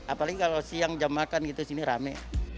apalagi kalau siang jam makan gitu sini rame